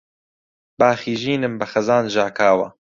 باخی ژینم بە خەزان ژاکاوە